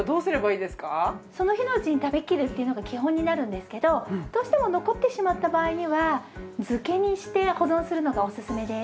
その日のうちに食べきるっていうのが基本になるんですけどどうしても残ってしまった場合には漬けにして保存するのがおすすめです。